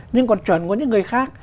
nhưng còn chuẩn của những người khác